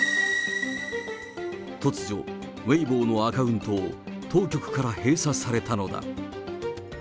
突如、ウェイボーのアカウントを当局から閉鎖されたのだ。